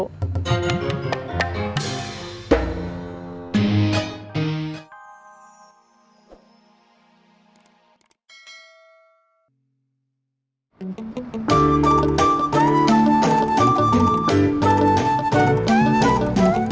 terus ngambil uangnya